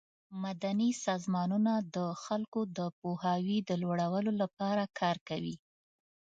مدني سازمانونه د خلکو د پوهاوي د لوړولو لپاره کار کوي.